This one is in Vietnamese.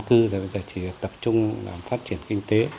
cứ giờ bây giờ chỉ tập trung làm phát triển kinh tế